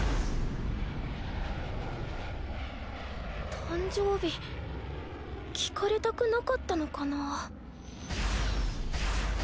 誕生日聞かれたくなかったのかな？